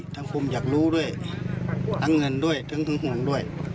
ทั้งคุมอยากรู้ด้วยทั้งเงินด้วยทั้งคุมด้วย